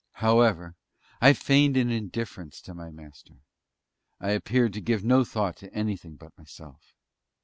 However, I feigned an indifference to my Master. I appeared to give no thought to anything but myself.